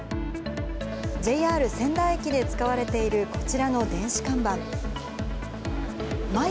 ＪＲ仙台駅で使われているこちらの電子看板。